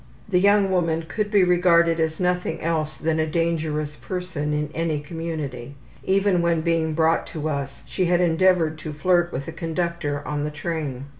The young woman could be regarded as nothing else than a dangerous person in any community. Even when being brought to us she had endeavored to flirt with a conductor on the train.